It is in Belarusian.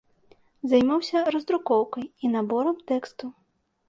Займаўся раздрукоўкай і наборам тэкстаў.